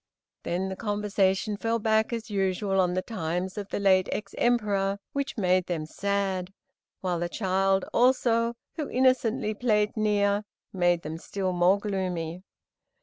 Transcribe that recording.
Then the conversation fell back, as usual, on the times of the late ex Emperor, which made them sad; while the child also, who innocently played near, made them still more gloomy.